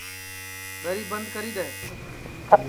دری بند کری دؔے